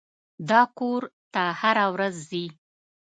دا کور ته هره ورځ ځي.